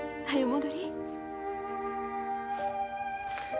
はい。